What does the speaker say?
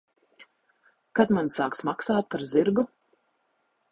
Kad man sāks maksāt par zirgu?